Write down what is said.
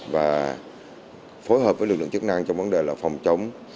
và phối hợp với lực lượng chức năng trong vấn đề là phòng chống